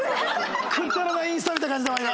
くだらないインスタ見た感じだわ今。